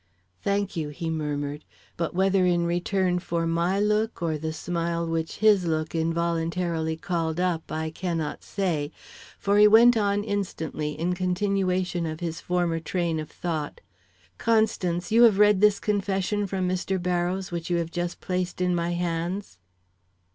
"Thank you," he murmured; but whether in return for my look or the smile which his look involuntarily called up, I cannot say, for he went on instantly in continuation of his former train of thought, "Constance, you have read this confession from Mr. Barrows which you have just placed in my hands?"